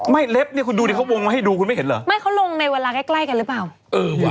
ไม่เล็บนี่คุณดูนี่เขาวงไว้ให้ดูคุณไม่เห็นเหรอไม่เขาลงในเวลา